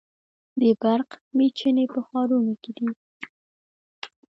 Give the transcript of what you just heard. د برق میچنې په ښارونو کې دي.